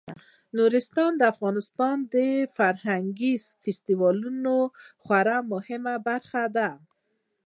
نورستان د افغانستان د فرهنګي فستیوالونو یوه خورا مهمه برخه ده.